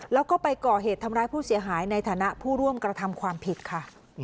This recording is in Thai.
แล้วก็ไปก่อเหตุทำร้ายผู้เสียหายในฐานะผู้ร่วมกระทำความผิดค่ะ